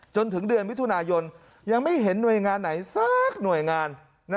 จนถึงเดือนมิถุนายนยังไม่เห็นหน่วยงานไหนสักหน่วยงาน